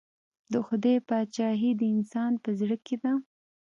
د خدای پاچهي د انسان په زړه کې ده.